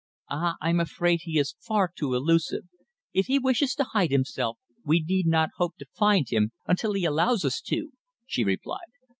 "Ah! I am afraid he is far too elusive. If he wishes to hide himself we need not hope to find him until he allows us to," she replied.